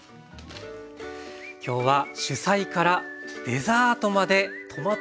今日は主菜からデザートまでトマト尽くしでした。